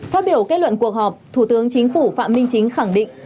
phát biểu kết luận cuộc họp thủ tướng chính phủ phạm minh chính khẳng định